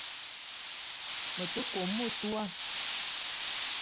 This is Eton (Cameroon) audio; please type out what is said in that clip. Me te kome metoua